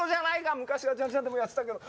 昔はジァン・ジァンでもやってたけど。